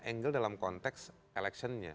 angle dalam konteks election nya